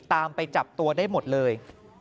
ตามไปจับตัวได้หมดเลย